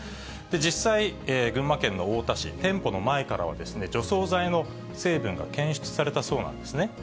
実際、群馬県の太田市、店舗の前からは、除草剤の成分が検出されたそうなんですね。